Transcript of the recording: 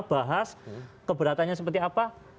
bahas keberatannya seperti apa